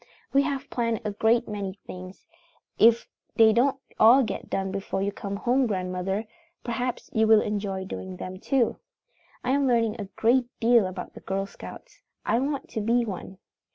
"We have planned a great many things. If they don't all get done before you come home, grandmother, perhaps you will enjoy doing them too. "I am learning a great deal about the Girl Scouts. I want to be one.